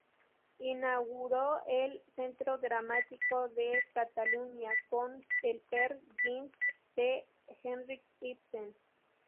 Inauguró el Centro Dramático de Cataluña con el Peer Gynt de Henrik Ibsen.